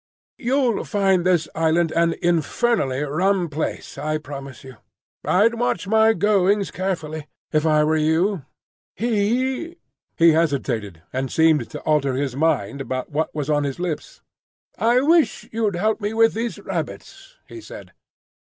You'll find this island an infernally rum place, I promise you. I'd watch my goings carefully, if I were you. He—" He hesitated, and seemed to alter his mind about what was on his lips. "I wish you'd help me with these rabbits," he said.